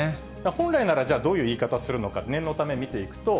本来なら、じゃあどういう使い方するのか、念のため、見ていくと。